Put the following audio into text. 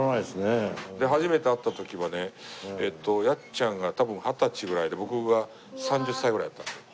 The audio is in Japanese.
初めて会った時はねやっちゃんが多分二十歳ぐらいで僕が３０歳ぐらいだったんですよ。